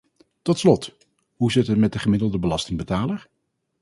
Tot slot, hoe zit het met de gemiddelde belastingbetaler?